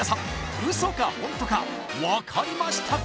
ウソかホントか分かりましたか？